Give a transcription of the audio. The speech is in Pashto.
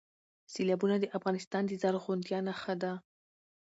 سیلابونه د افغانستان د زرغونتیا نښه ده.